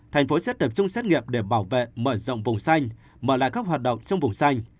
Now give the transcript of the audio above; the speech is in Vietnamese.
thành phố sẽ tập trung xét nghiệm để bảo vệ mở rộng vùng xanh mở lại các hoạt động trong vùng xanh